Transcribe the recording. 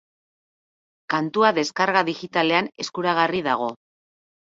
Kantua descarga digitalean eskuragarri dago.